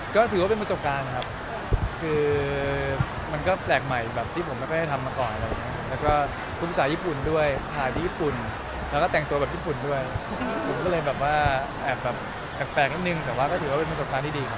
ก็ถือว่าเป็นประสบการณ์ครับคือมันก็แปลกใหม่แบบที่ผมไม่ค่อยได้ทำมาก่อนครับแล้วก็คุณภาษาญี่ปุ่นด้วยถ่ายที่ญี่ปุ่นแล้วก็แต่งตัวแบบญี่ปุ่นด้วยผมก็เลยแบบว่าแอบแบบแปลกนิดนึงแต่ว่าก็ถือว่าเป็นประสบการณ์ที่ดีครับ